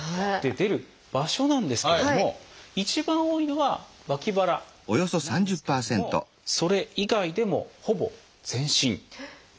出る場所なんですけれども一番多いのは脇腹なんですけれどもそれ以外でもほぼ全身。